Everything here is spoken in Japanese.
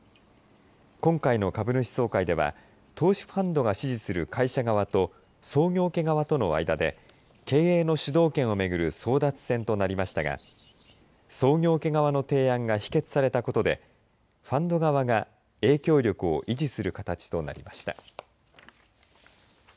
今回の株主総会では投資ファンドが支持する会社側と創業家側との間で経営の主導権を巡る争奪戦となりましたが創業家側の提案が否決されたことでファンド側が影響力を維持する形となりました。